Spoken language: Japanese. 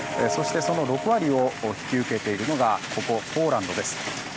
そして、その６割を引き受けているのがここ、ポーランドです。